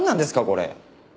これ。